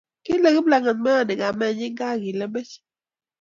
Kile Kiplagat myoni kamenyin ka gii lembech.